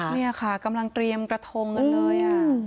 นี่ค่ะกำลังเตรียมกระทงกันเลย